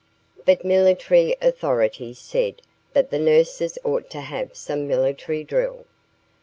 But military authorities said that the nurses ought to have some military drill.